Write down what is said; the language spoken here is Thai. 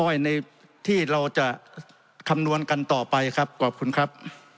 ้อยในที่เราจะคำนวณกันต่อไปครับขอบคุณครับ